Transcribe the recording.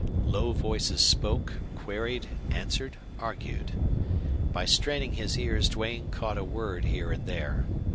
Low voices spoke, queried, answered, argued. By straining his ears Duane caught a word here and there.